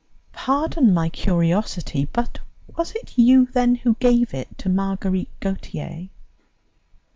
"Pardon my curiosity, but was it you, then, who gave it to Marguerite Gautier?"